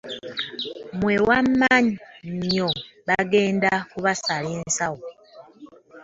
Mwewaana nnyo bagenda okubasala ensawo .